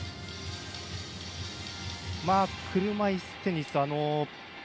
車いすテニス。